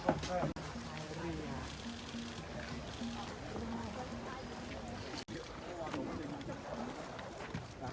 สวัสดีครับทุกคน